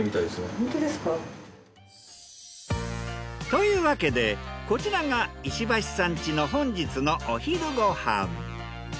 ホントですか？というわけでこちらが石橋さん家の本日のお昼ご飯。